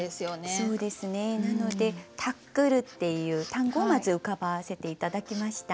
そうですねなので「タックル」っていう単語をまず浮かばせて頂きました。